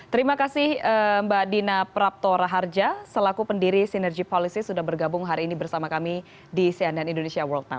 terima kasih mbak dina prapto raharja selaku pendiri sinergy policy sudah bergabung hari ini bersama kami di cnn indonesia world now